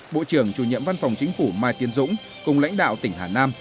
bộ trưởng chủ nhiệm văn phòng chính phủ mai tiến dũng cùng lãnh đạo tỉnh hà nam